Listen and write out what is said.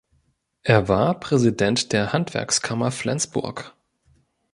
Er war Präsident der Handwerkskammer Flensburg.